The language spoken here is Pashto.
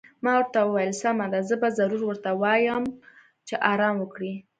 ما ورته وویل: سمه ده، زه به ضرور ورته ووایم چې ارام وکړي.